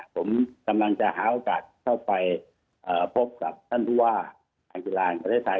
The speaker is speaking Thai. ผมกำลังจะหาโอกาสเข้าไปพบกับท่านผู้ว่าการกีฬาแห่งประเทศไทย